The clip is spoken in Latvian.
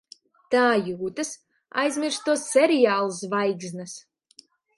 Tā jūtas aizmirsto seriālu zvaigznes.